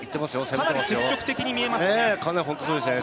かなり積極的に見えますね。